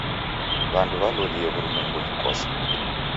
W'andu w'alolie w'urumwengunyi kose.